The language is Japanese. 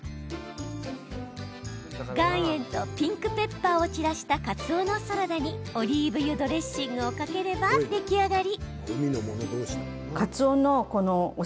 岩塩とピンクペッパーを散らしたかつおのサラダにオリーブ油ドレッシングをかければ出来上がり。